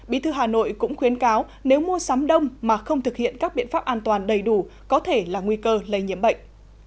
bí thư hà nội cũng khuyến cáo nếu mua sắm đông mà không thực hiện các biện pháp an toàn đầy đủ có thể là nguy cơ lây nhiễm bệnh